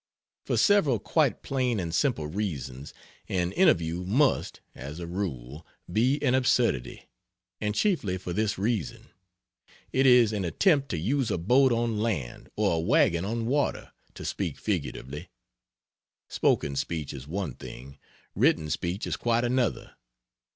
For several quite plain and simple reasons, an "interview" must, as a rule, be an absurdity, and chiefly for this reason It is an attempt to use a boat on land or a wagon on water, to speak figuratively. Spoken speech is one thing, written speech is quite another.